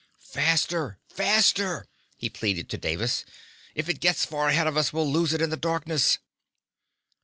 "Faster, faster!" he pleaded to Davis. "If it gets far ahead of us we'll lose it in the darkness."